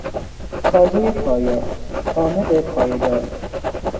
سازهی پایا، عامل پایدار